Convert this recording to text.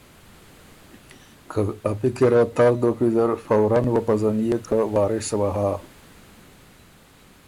که ا پِکره وه تر دوک ویزر فوراً وه پزنيېک که وارث وه هۀ۔